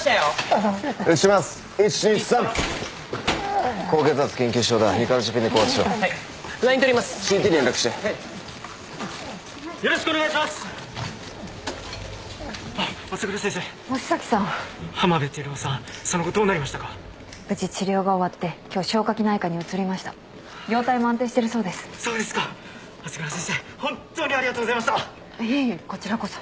いえいえこちらこそ。